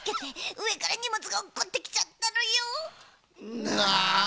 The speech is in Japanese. うえからにもつがおっこってきちゃったのよ。